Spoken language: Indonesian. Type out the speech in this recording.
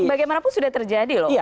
bagaimanapun sudah terjadi loh